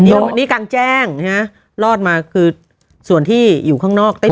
อันนี้กางแจ้งฯฉะรอดมาคือส่วนที่อยู่ข้างนอกด้วยคุย